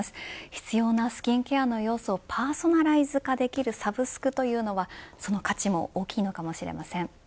必要なスキンケアの要素をパーソナライズ化できるサブスクというのはその価値も大きいのかもしれません。